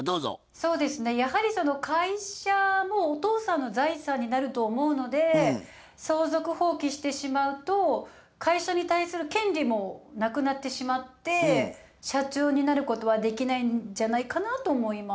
そうですねやはりその会社もお父さんの財産になると思うので相続放棄してしまうと会社に対する権利もなくなってしまって社長になることはできないんじゃないかなと思います。